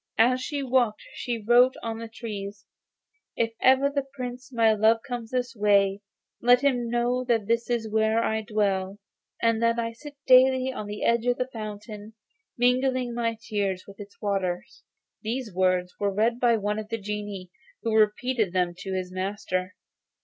As she walked she wrote on the trees: 'If ever the Prince, my lover, comes this way, let him know that it is here I dwell, and that I sit daily on the edge of this fountain, mingling my tears with its waters.' These words were read by one of the genii, who repeated them to his master.